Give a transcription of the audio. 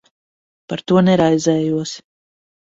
Par to neraizējos.